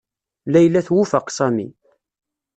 Layla twufeq Sami.